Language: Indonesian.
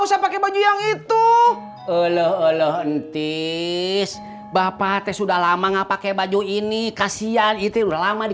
usah pakai baju yang itu elo elo ntis bapak teh sudah lama nggak pakai baju ini kasihan itu lama di